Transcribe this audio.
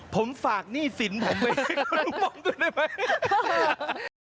ผมฝากหนี้สินผมไปให้ลุงป้อมดูได้ไหม